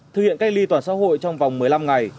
thực hiện cách ly toàn xã hội trong vòng một mươi năm ngày